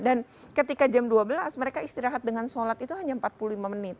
dan ketika jam dua belas mereka istirahat dengan sholat itu hanya empat puluh lima menit